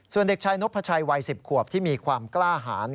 ส่วนเด็กชายนพชัยวัย๑๐ขวบที่มีความกล้าหาร